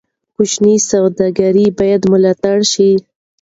کوچني سوداګرۍ باید ملاتړ شي.